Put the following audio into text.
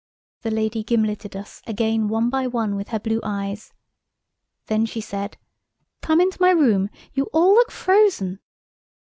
The lady gimleted us again one by one with her blue eyes. Then she said: "Come into my room. You all look frozen."